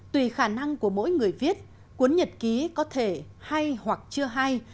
tùy khả năng của mỗi người viết cuốn nhật ký có thể hay hoặc chưa hay